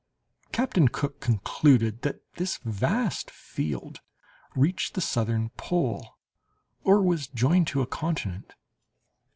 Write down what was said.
Captain Cook concluded that this vast field reached the southern pole or was joined to a continent.